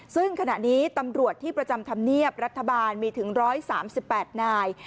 ซึ่งขณะนี้ตำรวจที่ประจำธรรมเนียบรัฐบาลมีถึง๑๓๘นาย